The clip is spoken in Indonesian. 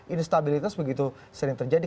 instabilitas begitu sering terjadi